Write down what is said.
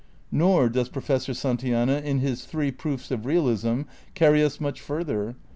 Nor does Professor Santayana, in his Three Proofs of Realism carry us much further.